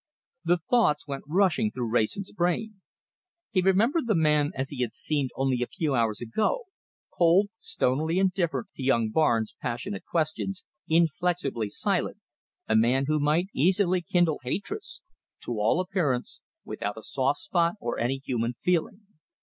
The thoughts went rushing through Wrayson's brain. He remembered the man as he had seemed only a few hours ago, cold, stonily indifferent to young Barnes' passionate questions, inflexibly silent, a man who might easily kindle hatreds, to all appearance without a soft spot or any human feeling.